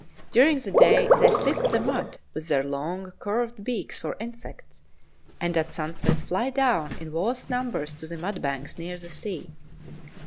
During the day they sift the mud with their long curved beaks for insects, and at sunset fly down in vast numbers to the mudbanks near the sea.